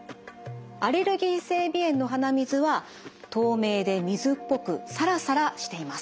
アレルギー性鼻炎の鼻水は透明で水っぽくサラサラしています。